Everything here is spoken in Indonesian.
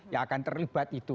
yang akan terlibat itu